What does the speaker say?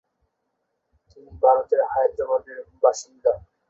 তিনি ভারতের হায়দ্রাবাদের বাসিন্দা।